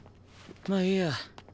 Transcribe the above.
まあいいや。